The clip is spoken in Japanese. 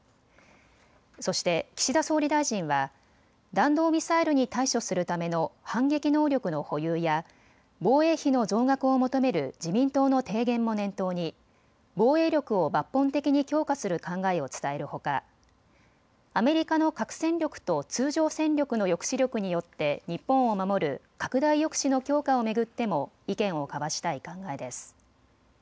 そして岸田総理大臣は弾道ミサイルに対処するための反撃能力の保有や防衛費の増額を求める自民党の提言も念頭に防衛力を抜本的に強化する考えを伝えるほかアメリカの核戦力と通常戦力の抑止力によって日本を守る拡大抑止の強化を巡っても意見を交わしたい考えです。